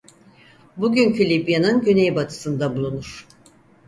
Bugünkü Libya'nın güneybatısında bulunur.